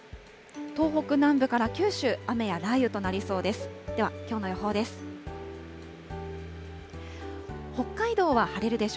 東北南部から九州、雨や雷雨となりそうです。